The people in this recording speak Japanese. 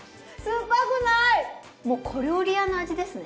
もう小料理屋の味ですね。